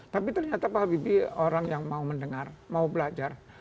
tapi ternyata pak habibie orang yang mau mendengar mau belajar